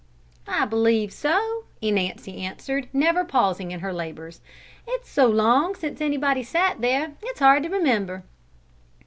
"I believe so," Nancy answered, never pausing in her labours. "It's so long since anybody sat there, it's hard to remember."